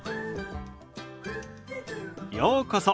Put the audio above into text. ようこそ。